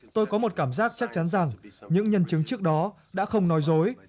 tôi có một cảm giác chắc chắn rằng những nhân chứng trước đó đã không nói dối